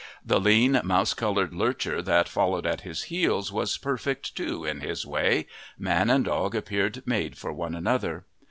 The lean, mouse coloured lurcher that followed at his heels was perfect too, in his way man and dog appeared made for one another.